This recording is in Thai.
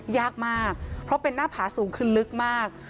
ยากมากเพราะเป็นหน้าผาสูงคือลึกมาก